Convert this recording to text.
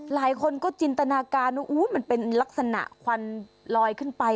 หลายคนก็จินตนาการว่ามันเป็นลักษณะควันลอยขึ้นไป